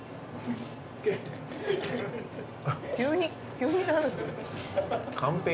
急に。